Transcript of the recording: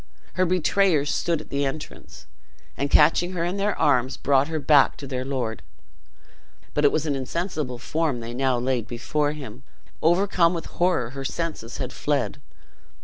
Her betrayers stood at the entrance, and catching her in their arms, brought her back to their lord. But it was an insensible form they now laid before him; overcome with horror her senses had fled.